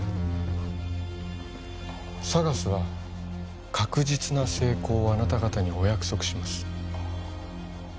ＳＡＧＡＳは確実な成功をあなた方にお約束します